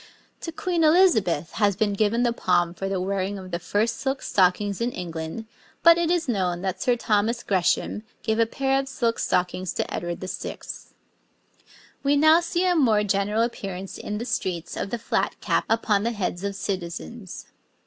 To Queen Elizabeth has been given the palm for the wearing of the first silk stockings in England, but it is known that Sir Thomas Gresham gave a pair of silk stockings to Edward VI. We now see a more general appearance in the streets of the flat cap upon the heads of citizens.